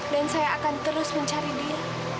saya akan terus mencari dia